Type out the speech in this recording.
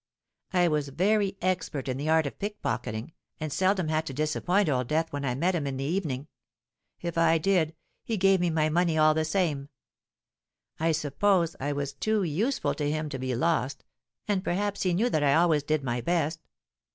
"I was very expert in the art of pickpocketing, and seldom had to disappoint Old Death when I met him in the evening. If I did, he gave me my money all the same: I suppose I was too useful to him to be lost; and perhaps he knew that I always did my best.